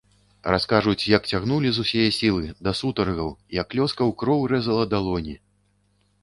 Раскажуць, як цягнулі з усяе сілы, да сутаргаў, як лёска ў кроў рэзала далоні.